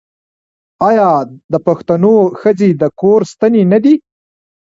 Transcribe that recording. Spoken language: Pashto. آیا د پښتنو ښځې د کور ستنې نه دي؟